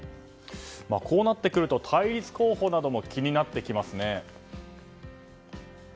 こうなってくると対立候補なども気になってきますね。